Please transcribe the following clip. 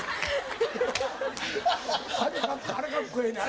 あれかっこええねん。